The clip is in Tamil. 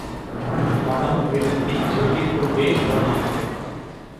மனம் வெதும்பிச் சொல்லிக்கொண்டே போனான்.